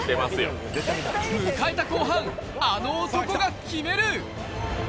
迎えた後半、あの男が決める。